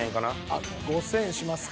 あっ５，０００円しますか。